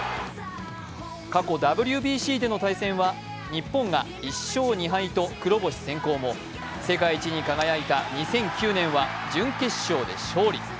過去ＷＢＣでの対戦は日本が１勝２敗と黒星先行も世界一に輝いた２００９年は準決勝で勝利。